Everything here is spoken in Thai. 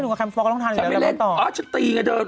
อยู่กับแคมป์ฟ็อกก็ต้องทำอย่างเดียว